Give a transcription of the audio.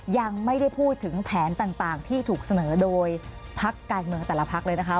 ยังไม่ได้พูดถึงแผนต่างที่ถูกเสนอโดยพักการเมืองแต่ละพักเลยนะคะ